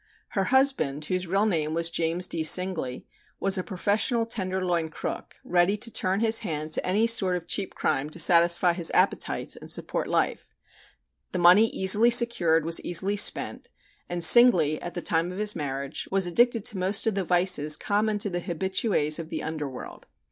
Her husband, whose real name was James D. Singley, was a professional Tenderloin crook, ready to turn his hand to any sort of cheap crime to satisfy his appetites and support life; the money easily secured was easily spent, and Singley, at the time of his marriage, was addicted to most of the vices common to the habitués of the under world.